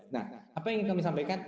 nah apa yang ingin kami sampaikan